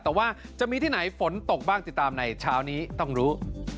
แต่ว่าจะมีที่ไหนฝนตกบ้างติดตามในเช้านี้ต้องรู้